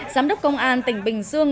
giám đốc công an tỉnh bình dương